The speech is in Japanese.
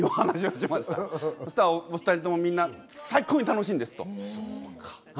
すると、お２人ともみんな最高に楽しいんですと。